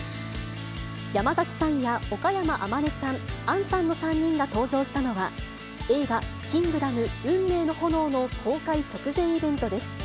山崎さんや岡山天音さん、杏さんの３人が登場したのは、映画、キングダム運命の炎の公開直前イベントです。